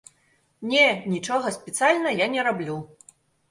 Не, нічога спецыяльна я не раблю.